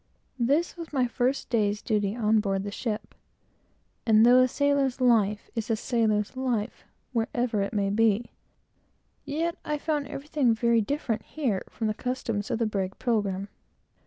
This was my first day's duty on board the ship; and though a sailor's life is a sailor's life wherever it may be, yet I found everything very different here from the customs of the brig Pilgrim.